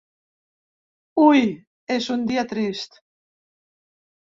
Hui és un dia trist.